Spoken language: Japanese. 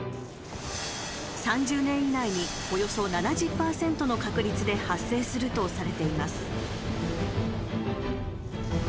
３０年以内に、およそ７０％の確率で発生するとされています。